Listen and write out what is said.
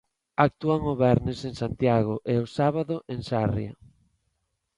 Actúan o venres en Santiago e o sábado en Sarria.